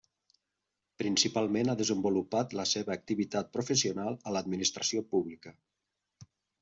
Principalment ha desenvolupat la seva activitat professional a l'Administració Pública.